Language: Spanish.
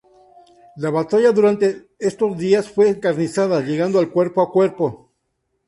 La batalla durante estos días fue encarnizada, llegando al cuerpo a cuerpo.